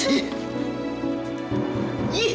sini kita lepaskan ke wayang nek